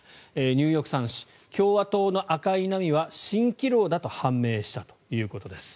ニューヨーク・サン紙共和党の赤い波は蜃気楼だと判明したということです。